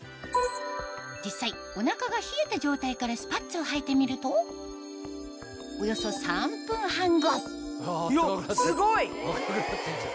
実際お腹が冷えた状態からスパッツをはいてみるとおよそ３分半後すごい！